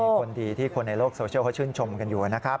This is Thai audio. เป็นคนดีที่คนในโลกโซเชียลชื่นชมกันอยู่ครับ